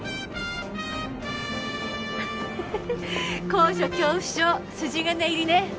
高所恐怖症筋金入りね。